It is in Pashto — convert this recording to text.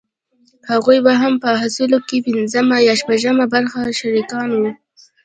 هغوې به هم په حاصل کښې پينځمه يا شپږمه برخه شريکان وو.